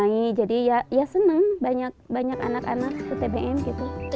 jadi ya ya seneng banyak banyak anak anak ke tbm gitu